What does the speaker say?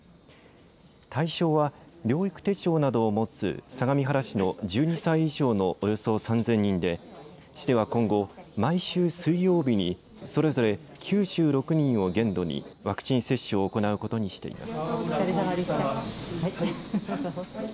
対象は療育手帳などを持つ相模原市の１２歳以上のおよそ３０００人で市は今後、毎週水曜日にそれぞれ９６人を限度にワクチン接種を行うことにしています。